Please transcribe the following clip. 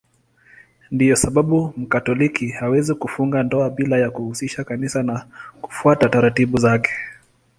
Ndiyo sababu Mkatoliki hawezi kufunga ndoa bila ya kuhusisha Kanisa na kufuata taratibu zake.